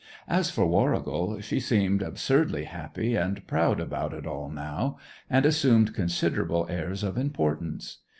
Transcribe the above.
As for Warrigal, she seemed absurdly happy and proud about it all now, and assumed considerable airs of importance.